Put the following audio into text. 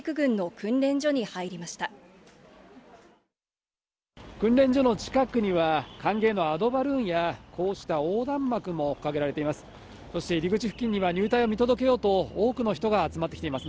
訓練所の近くには、歓迎のアドバルーンや、こうした横断幕も掲げられています。